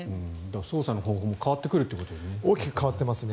捜査の方法も変わってくるということですね。